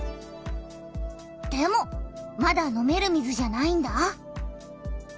でもまだ飲める水じゃないんだ。